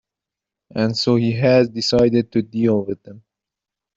And so he has decided to deal with them.